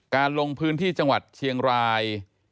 ลงพื้นที่จังหวัดเชียงราย